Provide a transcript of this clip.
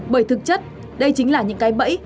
bởi thực chất đây chính là những cái bẫy